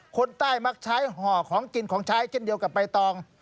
คนใต้มักใช้ห่อของกินของใช้เช่นเดียวกับใบตอง